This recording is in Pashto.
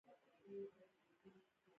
توپان پیل شو.